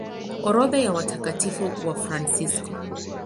Orodha ya Watakatifu Wafransisko